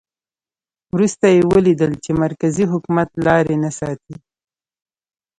وروسته یې ولیدل چې مرکزي حکومت لاري نه ساتي.